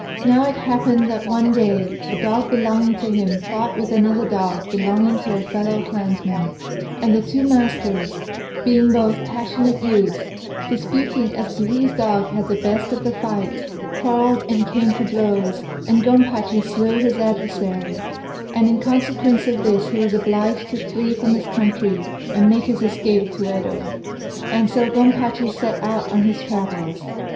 Now it happened that one day a dog belonging to him fought with another dog belonging to a fellow clansman, and the two masters, being both passionate youths, disputing as to whose dog had had the best of the fight, quarrelled and came to blows, and Gompachi slew his adversary; and in consequence of this he was obliged to flee from his country, and make his escape to Yedo. And so Gompachi set out on his travels.